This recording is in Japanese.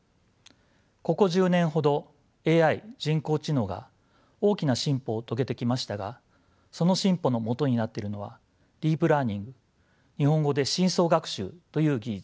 ここ１０年ほどＡＩ人工知能が大きな進歩を遂げてきましたがその進歩のもとになっているのはディープ・ラーニング日本語で深層学習という技術です。